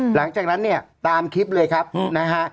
หลังจากนั้นเนี่ยตามคลิปเลยครับนะฮะ